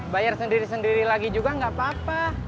bayar sendiri sendiri lagi juga gapapa